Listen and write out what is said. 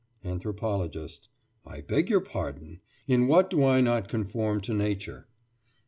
ANTHROPOLOGIST: I beg your pardon. In what do I not conform to Nature?